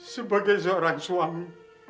sebagai seorang suami